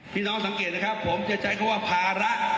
น้องสังเกตนะครับผมจะใช้คำว่าภาระ